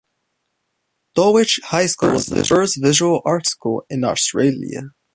Dulwich High School was the first Visual Arts School in Australia.